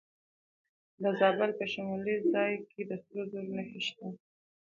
د زابل په شمولزای کې د سرو زرو نښې شته.